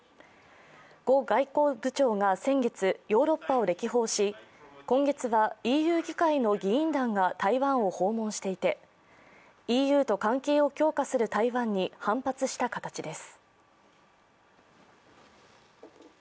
呉外交部長が先月、ヨーロッパを歴訪し今月はＥＵ議会の議員団が台湾を訪問していて、ＥＵと関係を強化する台湾に反発した形です。